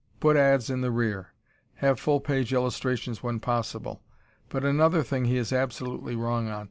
Put ads in the rear. Have full page illustrations when possible. But another thing he is absolutely wrong on.